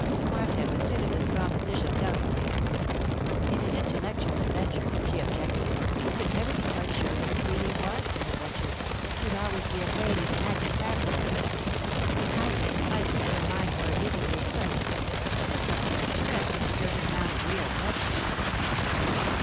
Marcia considered this proposition doubtfully. 'In an intellectual adventure,' she objected, 'you could never be quite sure that it really was an adventure; you'd always be afraid you'd imagined half of it. I think I prefer mine more visibly exciting. There's something picturesque in a certain amount of real bloodshed.